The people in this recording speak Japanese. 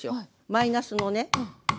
マイナスのね。